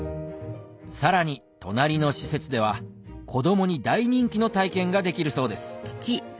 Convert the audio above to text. さらに隣の施設では子供に大人気の体験ができるそうです